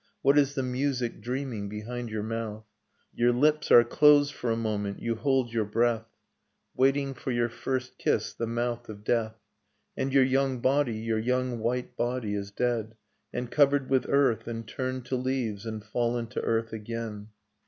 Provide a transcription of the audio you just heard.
What is the music dreaming behind your mouth? Your Ups are closed for a moment, you hold your breath. Waiting for your first kiss, the mouth of death. .. And your young body, your young white body, is dead ; And covered with earth; and turned to leaves; and fallen to earth again.